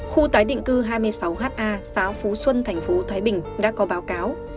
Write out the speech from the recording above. khu tái định cư hai mươi sáu ha xã phú xuân tp thái bình đã có báo cáo